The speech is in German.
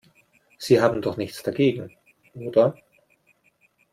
Sie haben doch nichts dagegen, oder?